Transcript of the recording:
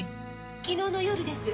昨日の夜です。